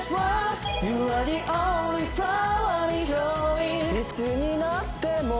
「いつになっても」